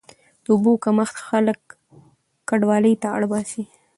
د اوبو کمښت خلک کډوالۍ ته اړ باسي.